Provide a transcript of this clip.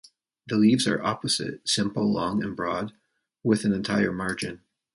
The leaves are opposite, simple, long and broad, with an entire margin.